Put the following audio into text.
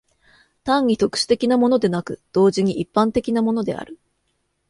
単に特殊的なものでなく、同時に一般的なものである。